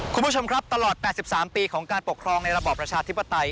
คุณผู้ชมครับตลอด๘๓ปีของการปกครองในระบอบประชาธิปไตย